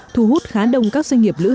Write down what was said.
thu hút khá đông các doanh nghiệp lữ hành